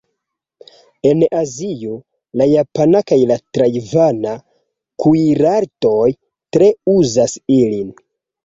En Azio, la japana kaj la tajvana kuirartoj tre uzas ilin.